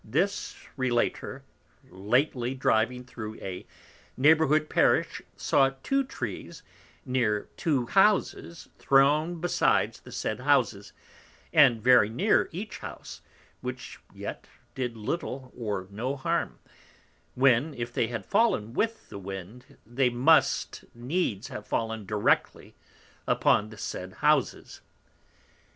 This Relator lately riding thro' a neighbouring Parish, saw two Trees near two Houses thrown besides the said Houses, and very near each House, which yet did little or no harm, when if they had fallen with the Wind, they must needs have fallen directly upon the said Houses.